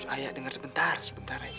ayah dengar sebentar sebentar aja